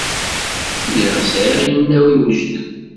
Lliɣ sɛiɣ inaw iwejden.